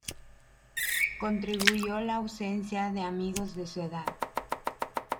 Contribuyó la ausencia de amigos de su edad.